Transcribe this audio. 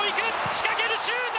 仕掛けた、シュート！